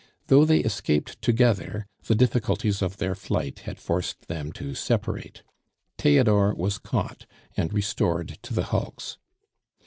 Though they escaped together, the difficulties of their flight had forced them to separate. Theodore was caught and restored to the hulks.